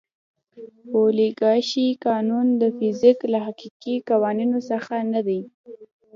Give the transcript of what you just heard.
اولیګارشي قانون د فزیک له حقیقي قوانینو څخه نه دی.